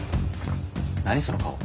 何その顔。